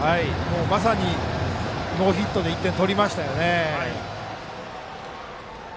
まさに、ノーヒットで１点取りましたね。